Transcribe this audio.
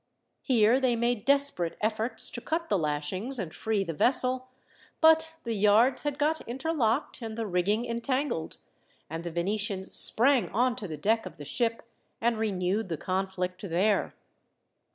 Here they made desperate efforts to cut the lashings and free the vessel; but the yards had got interlocked and the rigging entangled, and the Venetians sprang on to the deck of the ship, and renewed the conflict there.